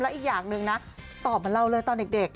แล้วอีกอย่างหนึ่งนะตอบมาเล่าเลยตอนเด็ก